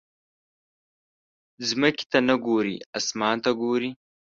ځمکې ته نه ګورې، اسمان ته ګورې.